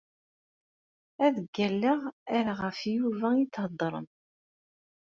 Ad d-ggalleɣ ar ɣef Yuba i theddrem.